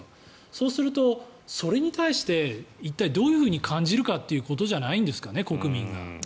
そうすると、それに対して一体どういうふうに感じるかということなんじゃないですかね、国民が。